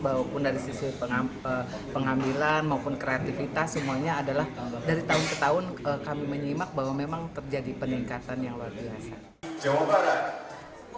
maupun dari sisi pengambilan maupun kreativitas semuanya adalah dari tahun ke tahun kami menyimak bahwa memang terjadi peningkatan yang luar biasa